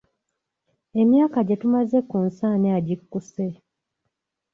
Emyaka gye tumaze ku nsi ani agikkuse?